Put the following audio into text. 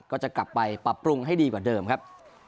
ก็จะกลับไปปรับปรุงให้ดีกว่าเดิมครับ